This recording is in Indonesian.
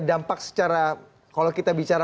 dampak secara kalau kita bicara